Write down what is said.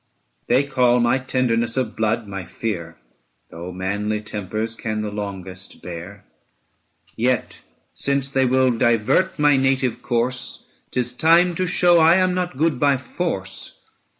They call my tenderness of blood my fear, Though manly tempers can the longest bear. Yet since they will divert my native course, 'Tis time to show I am not good by force.